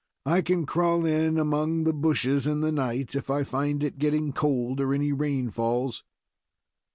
"I can crawl in among the bushes in the night, if I find it getting cold, or any rain falls."